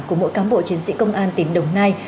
của mỗi cán bộ chiến sĩ công an tỉnh đồng nai